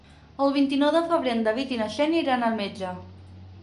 El vint-i-nou de febrer en David i na Xènia iran al metge.